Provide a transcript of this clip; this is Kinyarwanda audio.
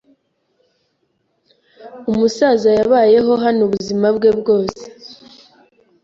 Umusaza yabayeho hano ubuzima bwe bwose.